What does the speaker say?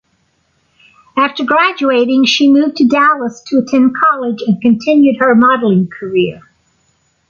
After graduating, she moved to Dallas to attend college and continued her modeling career.